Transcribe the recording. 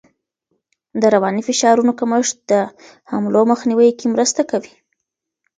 د رواني فشارونو کمښت د حملو مخنیوی کې مرسته کوي.